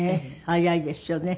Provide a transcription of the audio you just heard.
早いですよね。